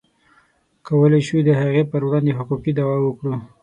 کولی شو د هغې پر وړاندې حقوقي دعوه وکړو.